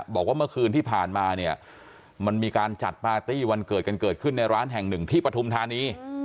บอกว่าเมื่อคืนที่ผ่านมาเนี่ยมันมีการจัดปาร์ตี้วันเกิดกันเกิดขึ้นในร้านแห่งหนึ่งที่ปฐุมธานี